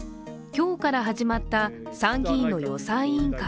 今日から始まった参議院の予算委員会。